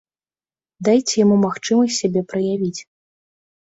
Дайце яму магчымасць сябе праявіць.